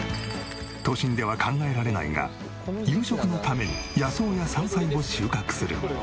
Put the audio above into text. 都心では考えられないが夕食のために野草や山菜を収穫する。